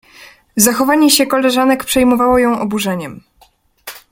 Zachowanie się koleżanek przejmowało ją oburzeniem.